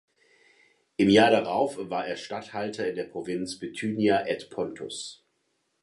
Im Jahr darauf war er Statthalter in der Provinz Bithynia et Pontus.